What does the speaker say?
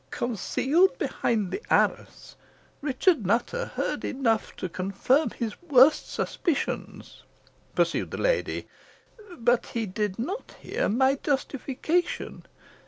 "Concealed behind the arras, Richard Nutter heard enough to confirm his worst suspicions," pursued the lady; "but he did not hear my justification.